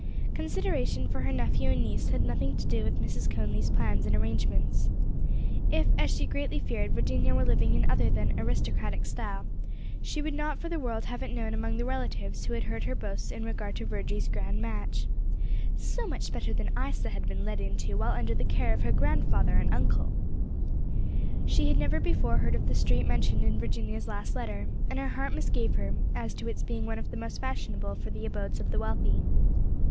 Consideration for her nephew and niece had nothing to do with Mrs. Conly's plans and arrangements. If, as she greatly feared, Virginia were living in other than aristocratic style, she would not for the world have it known among the relatives who had heard her boasts in regard to Virgie's grand match; "so much better than Isa had been led into while under the care of her grandfather and uncle." She had never before heard of the street mentioned in Virginia's last letter, and her heart misgave her as to its being one of the most fashionable for the abodes of the wealthy.